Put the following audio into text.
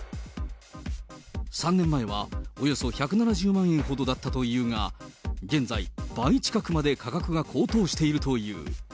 ３年前はおよそ１７０万円ほどだったというが、現在、倍近くまで価格が高騰しているという。